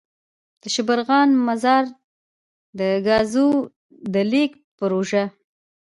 دشبرغان -مزار دګازو دلیږد پروژه.